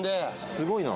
すごいな。